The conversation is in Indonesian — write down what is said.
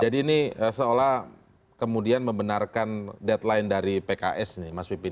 jadi ini seolah kemudian membenarkan deadline dari pks nih mas pipin